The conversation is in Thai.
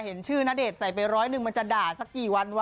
เห็นชื่อณเดชน์ใส่ไปร้อยหนึ่งมันจะด่าสักกี่วันวะ